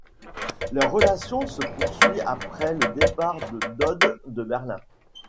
Leur relation se poursuit après le départ de Dodd de Berlin.